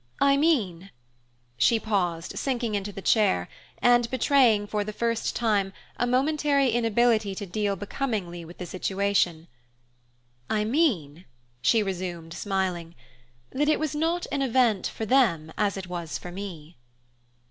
I mean " she paused, sinking into the chair, and betraying, for the first time, a momentary inability to deal becomingly with the situation. "I mean," she resumed smiling, "that it was not an event for them, as it was for me."